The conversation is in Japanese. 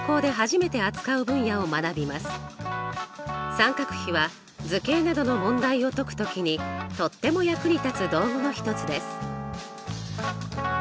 三角比は図形などの問題を解く時にとっても役に立つ道具の一つです。